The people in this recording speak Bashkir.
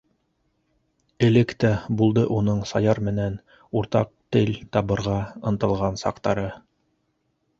Элек тә булды уның Саяр менән уртаҡ тел табырға ынтылған саҡтары.